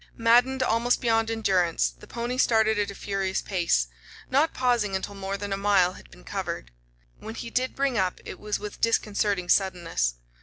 Maddened almost beyond endurance, the pony started at a furious pace, not pausing until more than a mile had been covered. When he did bring up it was with disconcerting suddenness.